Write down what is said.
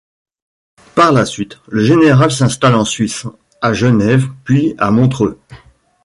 Par la suite, le général s'installe en Suisse, à Genève puis à Montreux.